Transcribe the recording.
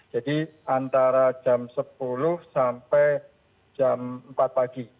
jadi antara jam sepuluh sampai jam empat pagi